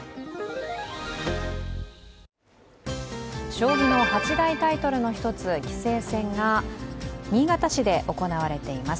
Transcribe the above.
将棋の八大タイトルの１つ、棋聖戦が新潟市で行われています。